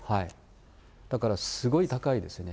だからすごい高いですね。